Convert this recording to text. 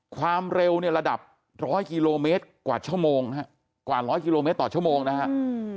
ความเร็วเนี่ยระดับร้อยกิโลเมตรกว่าชั่วโมงฮะกว่าร้อยกิโลเมตรต่อชั่วโมงนะครับ